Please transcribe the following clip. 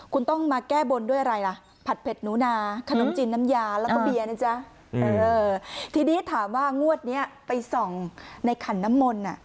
ก็เบียร์นะจ๊ะเออทีนี้ถามว่างวดนี้ไป๒ในขันน้ำมนอ่ะ